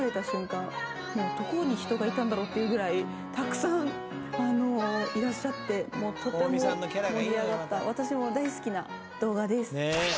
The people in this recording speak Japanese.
もうどこに人がいたんだろうっていうぐらいたくさんいらっしゃってとても盛り上がった私も大好きな動画です。